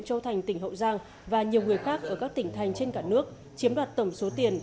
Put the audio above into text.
châu thành tỉnh hậu giang và nhiều người khác ở các tỉnh thành trên cả nước chiếm đoạt tổng số tiền